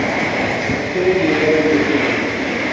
آسون موباݵلک چھا